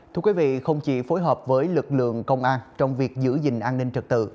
thưa quý vị không chỉ phối hợp với lực lượng công an trong việc giữ gìn an ninh trật tự